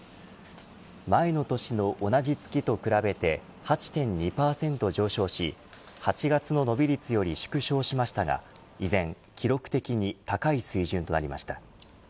前の年の同じ月と比べて８．２％上昇し８月の伸び率より縮小しましたが依然、記録的に高い水準となりました。